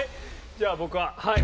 じゃあ僕ははい。